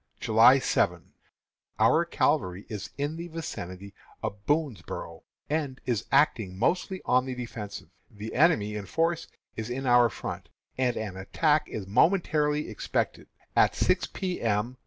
] July 7. Our cavalry is in the vicinity of Boonsboro', and is acting mostly on the defensive. The enemy in force is in our front, and an attack is momentarily expected. At six P. M.